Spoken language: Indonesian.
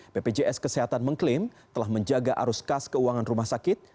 bpjs kesehatan mengklaim telah menjaga arus kas keuangan rumah sakit